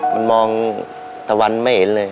มันมองตะวันไม่เห็นเลย